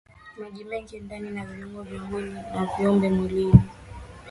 Maji mengi ndani ya viungo vya mwili na uvimbe mwilini